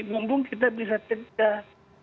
mungkung kita bisa tegah